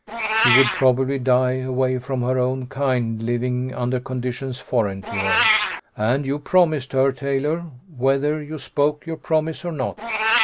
She would probably die, away from her own kind, living under conditions foreign to her. And you promised her, Taylor, whether you spoke your promise or not."